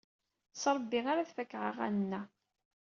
S Ṛebbi ar ad fakeɣ aɣanen-a.